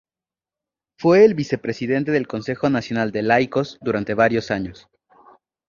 Fue el vicepresidente del Concejo Nacional de Laicos durante varios años.